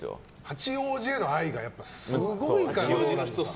八王子への愛がすごいから。